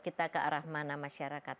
kita ke arah mana masyarakat